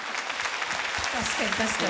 確かに確かに。